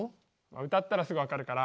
歌ったらすぐわかるから。